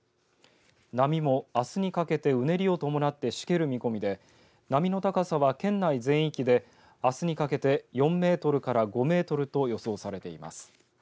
波もあすにかけてうねりを伴ってしける見込みで波の高さは県内全域であすにかけて４メートルから５メートルと予想されています。